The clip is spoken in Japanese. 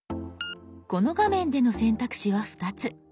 この画面での選択肢は２つ。